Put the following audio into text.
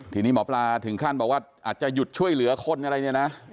ทีนี้หมอปลาถึงขั้นบอกว่าอาจจะหยุดช่วยเหลือคนอะไรเนี่ยนะ